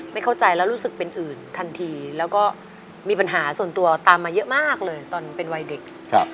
ไม่เข้าใจแล้วรู้สึกเป็นอื่นทันทีแล้วก็มีปัญหาส่วนตัวตามมาเยอะมากเลยตอนเป็นวัยเด็ก